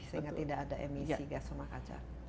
sehingga tidak ada emisi gas rumah kaca